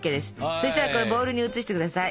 そしたらこれボールに移して下さい。